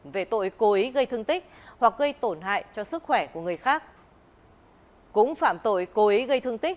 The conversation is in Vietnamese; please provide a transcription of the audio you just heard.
về tội cối gây cơ hội